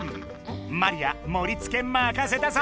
マリアもりつけまかせたぞ！